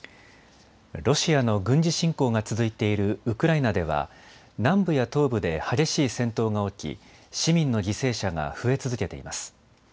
ロシアの軍事侵攻が続いているウクライナでは南部や東部で激しい戦闘が起き市民の犠牲者が増え続けています。